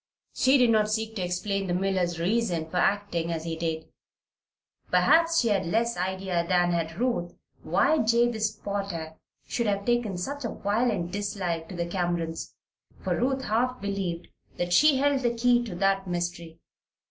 She did not seek to explain the miller's reason for acting as he did. Perhaps she had less idea than had Ruth why Jabez Potter should have taken such a violent dislike to the Camerons. For Ruth half believed that she held the key to that mystery.